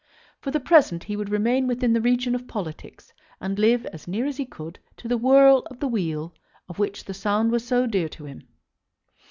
For the present he would remain within the region of politics, and live as near as he could to the whirl of the wheel of which the sound was so dear to him.